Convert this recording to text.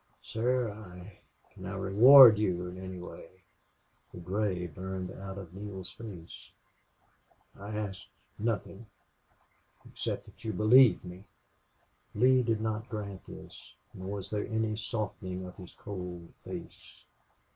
"Sir I I " "Can I reward you in any way?" The gray burned out of Neale's face. "I ask nothing except that you believe me." Lee did not grant this, nor was there any softening of his cold face.